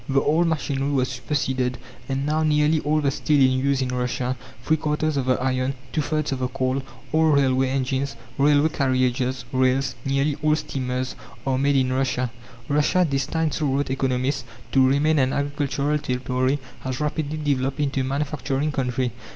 The old machinery was superseded, and now nearly all the steel in use in Russia, three quarters of the iron, two thirds of the coal, all railway engines, railway carriages, rails, nearly all steamers, are made in Russia. Russia, destined so wrote economists to remain an agricultural territory, has rapidly developed into a manufacturing country.